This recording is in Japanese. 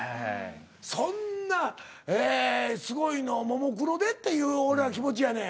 そんなすごいのをももクロで？っていう俺らの気持ちやねん。